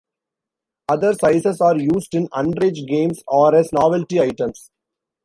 Other sizes are used in underage games or as novelty items.